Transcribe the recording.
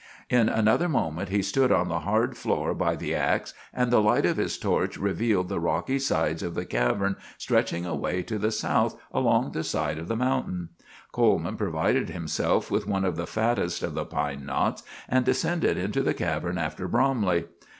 In another moment he stood on the hard floor by the ax and the light of his torch revealed the rocky sides of the cavern stretching away to the south along the side of the mountain. Coleman provided himself with one of the fattest of the pine knots, and descended into the cavern after Bromley.